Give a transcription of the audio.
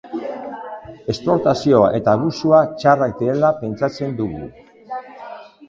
Esplotazioa eta abusua txarrak direla pentsatzen dugu.